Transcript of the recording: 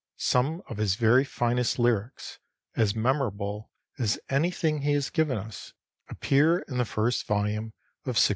Some of his very finest lyrics, as memorable as anything he has given us, appear in this first volume of 1601.